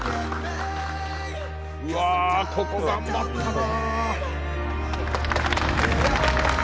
うわここ頑張ったな。